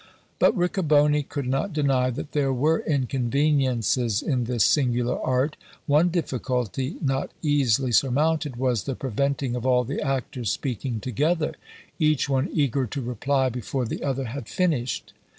But Riccoboni could not deny that there were inconveniences in this singular art. One difficulty not easily surmounted was the preventing of all the actors speaking together; each one eager to reply before the other had finished.